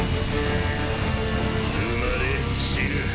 生まれ死ぬ。